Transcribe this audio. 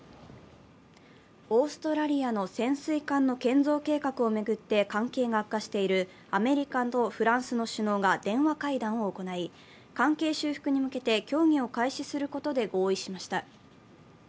オーストラリアの潜水艦の建造計画を巡って関係が悪化しているアメリカとフランスの首脳が電話会談を行い、関係修復に向けて協議を開始することで合意しました。